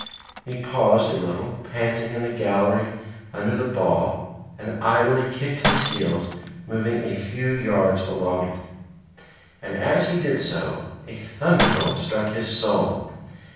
He paused a little, panting in the gallery under the ball, and idly kicked his heels, moving a few yards along it. And as he did so a thunderbolt struck his soul.